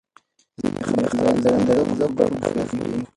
ځینې خلک ځان د نانځکو په بڼه ښيي.